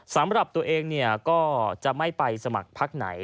สำหรับตัวเองก็จะไม่ไปสมัครพักไหน